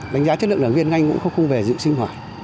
đánh giá chất lượng đảng viên anh cũng không về dự sinh hoạt